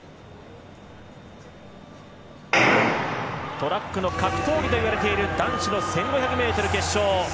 トラックの格闘技といわれている男子の１５００ｍ決勝。